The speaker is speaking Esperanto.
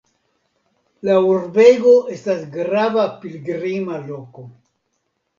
La urbego estas grava pilgrima loko.